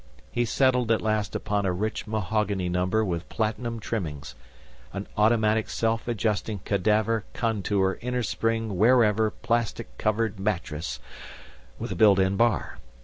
He settled at last upon a rich mahogany number with platinum trimmings, an Automatic Self Adjusting Cadaver contour Innerspring Wearever Plastic Covered Mattress with a built in bar.